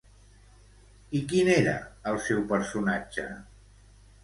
I quin era el seu personatge?